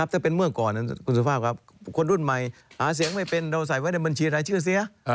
ถ้าเป็นเมื่อก่อนคุณสุภาพครับคนรุ่นใหม่หาเสียงไม่เป็นเราใส่ไว้ในบัญชีรายชื่อเสีย